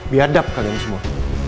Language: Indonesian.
biadab kalian semua